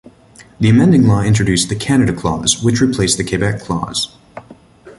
The amending law introduced the "Canada Clause" which replaced the "Quebec Clause".